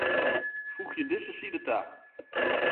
Foegje dizze side ta.